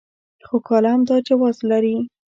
خو کالم دا جواز لري.